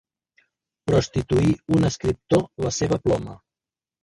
Prostituir un escriptor la seva ploma.